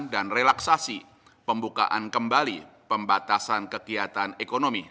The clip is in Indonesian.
dan relaksasi pembukaan kembali pembatasan kegiatan ekonomi